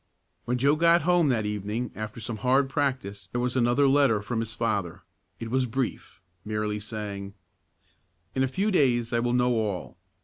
When Joe got home that evening after some hard practice there was another letter from his father. It was brief, merely saying: "In a few days I will know all.